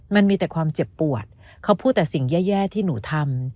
มันมีแต่ความเจ็บปวดเขาพูดแต่สิ่งแย่ที่หนูทำ